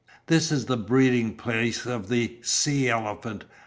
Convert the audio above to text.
This is the breeding place of the sea elephant.